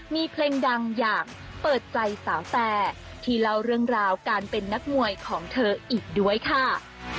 มีเพลงดังอย่างเปิดใจสาวแต่ที่เล่าเรื่องราวการเป็นนักมวยของเธออีกด้วยค่ะ